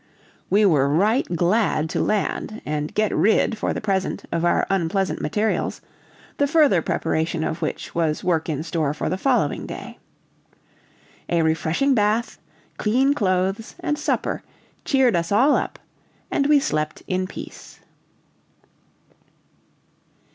We were right glad to land, and get rid, for the present, of our unpleasant materials, the further preparation of which was work in store for the following day. A refreshing bath, clean clothes, and supper, cheered us all up, and we slept in peace.